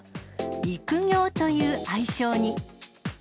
育業という愛称に。